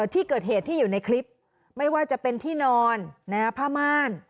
ที่เกิดเหตุที่อยู่ในคลิปไม่ว่าจะเป็นที่นอนผ้าม่าน